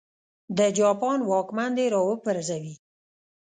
د جاپان واکمن دې را وپرځوي.